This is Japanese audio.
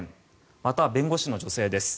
また、弁護士の女性です。